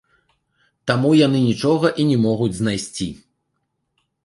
Таму яны нічога і не могуць знайсці.